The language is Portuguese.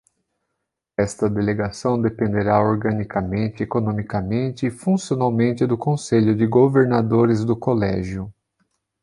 Esta delegação dependerá organicamente, economicamente e funcionalmente do Conselho de Governadores do Colégio.